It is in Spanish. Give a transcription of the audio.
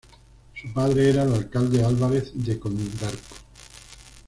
Su padre era el alcalde Álvarez de Condarco.